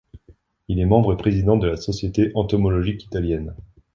Il est membre et président de la Société entomologique italienne.